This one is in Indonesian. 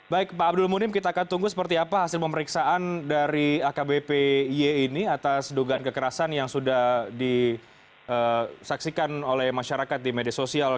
baik pak abdul munim kita akan tunggu seperti apa hasil pemeriksaan dari akbp y ini atas dugaan kekerasan yang sudah disaksikan oleh masyarakat di media sosial